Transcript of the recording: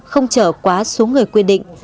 không chở quá số người quy định